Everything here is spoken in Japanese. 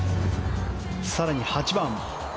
更に、８番。